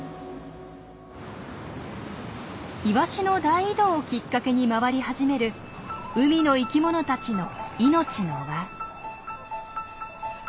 イワシの大移動をきっかけに回り始める海の生きものたちの命の輪。